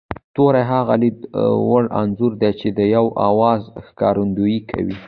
توری هغه لید وړ انځور دی چې د یوه آواز ښکارندويي کوي